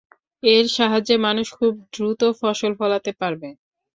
এর সাহায্যে মানুষ খুব দ্রুত ফসল ফলাতে পারবে।